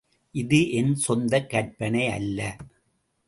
இது என் சொந்தக் கற்பனை அல்ல.